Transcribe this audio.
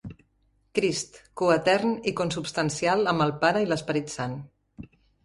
Crist, coetern i consubstancial amb el Pare i l'Esperit Sant.